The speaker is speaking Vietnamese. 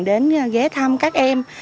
đến ghé thăm các em